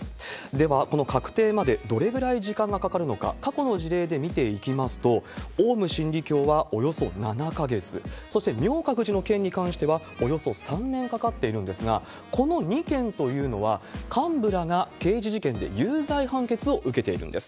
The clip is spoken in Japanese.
では、この確定までどれぐらい時間がかかるのか、過去の事例で見ていきますと、オウム真理教はおよそ７か月、そして、明覚寺の件に関しては、およそ３年かかっているんですが、この２件というのは、幹部らが刑事事件で有罪判決を受けているんです。